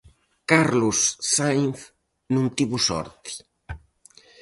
Carlos Sainz non tivo sorte.